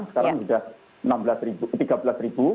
sekarang sudah tiga belas ribu